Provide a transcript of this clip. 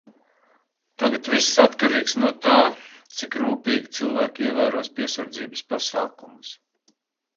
Tagad viss atkarīgs no tā, cik rūpīgi cilvēki ievēros piesardzības pasākumus.